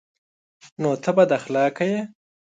_نو ته بد اخلاقه يې؟